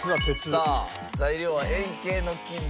さあ材料は円形の金属です。